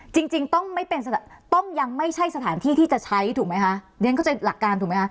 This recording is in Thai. จริงจริงต้องไม่เป็นต้องยังไม่ใช่สถานที่ที่จะใช้ถูกไหมคะเรียนเข้าใจหลักการถูกไหมคะ